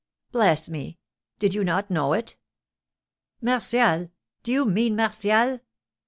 "Bless me! Did you not know it?" "Martial? Do you mean Martial?"